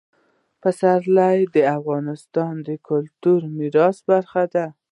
پسرلی د افغانستان د کلتوري میراث برخه ده.